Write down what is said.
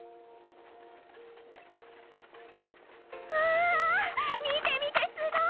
わあ見て見てすごい！